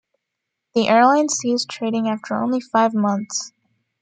The airline ceased trading after only five months.